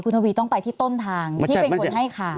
ทวีต้องไปที่ต้นทางที่เป็นคนให้ข่าว